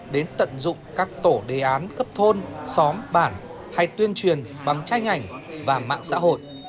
đến tận dụng các tổ đề án cấp thôn xóm bản hay tuyên truyền bằng tranh ảnh và mạng xã hội